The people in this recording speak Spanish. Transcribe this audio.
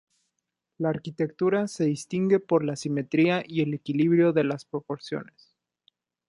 La arquitectura se distingue por la simetría y el equilibrio de las proporciones.